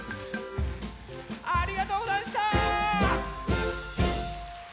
ありがとうござんした！